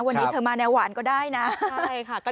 วันนี้เธอมาแนวหวานก็ได้นะฮ่านะครับใช่ค่ะ